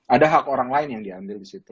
ada hak orang lain yang diambil di situ